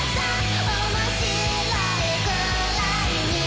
「おもしろいくらいに」